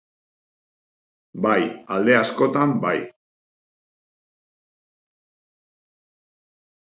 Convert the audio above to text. Bai, alde askotan bai.